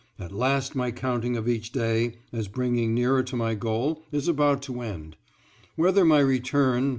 At last my counting of each day as bringing nearer to my goal is about to end. Whether my return